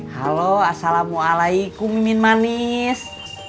halo assalamualaikum mimin manis